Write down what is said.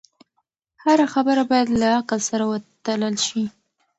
هره خبره باید له عقل سره وتلل شي.